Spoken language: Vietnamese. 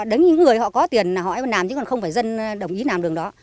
đấy là những người họ có tiền họ nằm chứ còn không phải dân đồng ý nằm đường đó